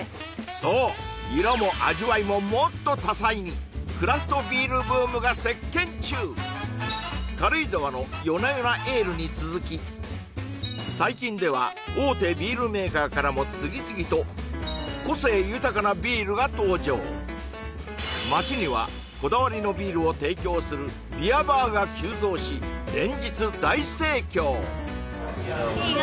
そう色も味わいももっと多彩にクラフトビールブームが席巻中軽井沢のよなよなエールに続き最近では大手ビールメーカーからも次々と個性豊かなビールが登場街にはこだわりのビールを提供するビアバーが急増し連日大盛況